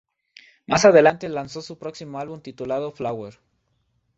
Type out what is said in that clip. Más adelante lanzó su próximo álbum titulado "Flower".